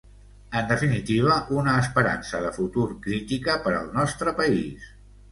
En definitiva, una esperança de futur crítica per al nostre país.